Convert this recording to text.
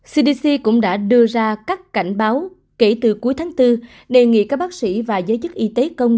cdc cũng đã đưa ra các cảnh báo kể từ cuối tháng bốn đề nghị các bác sĩ và giới chức y tế công